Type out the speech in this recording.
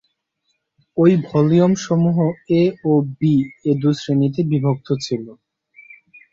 ওই ভল্যুমসমূহ ‘A’ ও ‘B’ এ দু’শ্রেণীতে বিভক্ত ছিল।